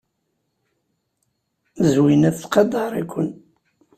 Zwina tettqadar-iken.